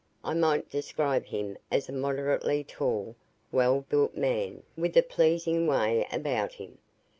I might describe him as a moderately tall, well built man with a pleasing way about him.